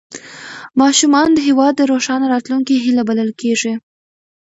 ماشومان د هېواد د روښانه راتلونکي هیله بلل کېږي